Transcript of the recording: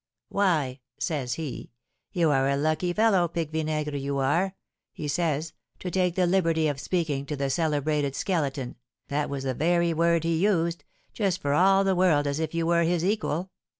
"'Why,' says he, 'you are a lucky fellow, Pique Vinaigre, you are,' he says, 'to take the liberty of speaking to the celebrated Skeleton (that was the very word he used), just for all the world as if you were his equal!